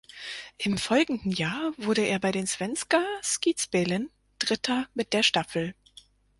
Im folgenden Jahr wurde er bei den Svenska Skidspelen Dritter mit der Staffel.